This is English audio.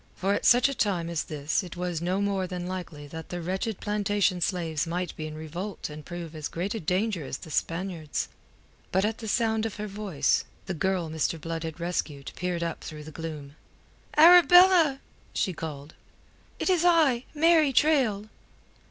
For at such a time as this it was no more than likely that the wretched plantation slaves might be in revolt and prove as great a danger as the Spaniards. But at the sound of her voice, the girl Mr. Blood had rescued peered up through the gloom. "Arabella!" she called. "It is I, Mary Traill."